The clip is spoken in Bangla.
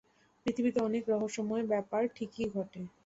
পৃথিবীতে অনেক রহস্যময় ব্যাপার ঠিকই ঘটে।